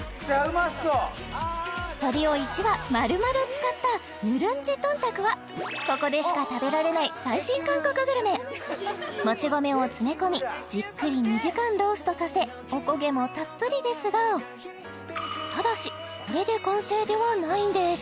鶏を１羽まるまる使ったヌルンジトンタクはここでしか食べられない最新韓国グルメもち米を詰め込みじっくり２時間ローストさせおこげもたっぷりですがただしこれで完成ではないんです